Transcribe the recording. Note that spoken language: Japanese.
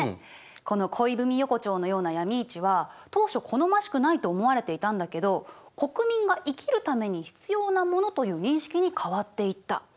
この恋文横丁のような闇市は当初好ましくないと思われていたんだけど国民が生きるために必要なものという認識に変わっていった。